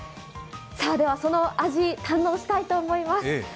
では、その味、堪能したいと思います。